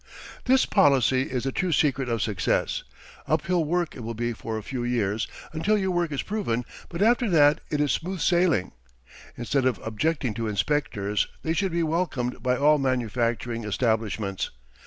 This policy is the true secret of success. Uphill work it will be for a few years until your work is proven, but after that it is smooth sailing. Instead of objecting to inspectors they should be welcomed by all manufacturing establishments.